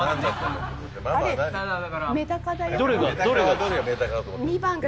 どれが？